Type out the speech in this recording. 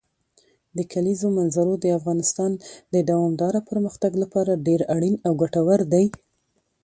د کلیزو منظره د افغانستان د دوامداره پرمختګ لپاره ډېر اړین او ګټور دی.